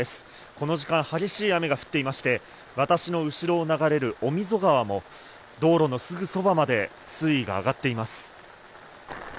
この時間、激しい雨が降っていまして、私の後ろを流れる御溝川も道路のすぐそばまで水位が上がっています。